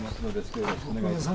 今日よろしくお願いいたします。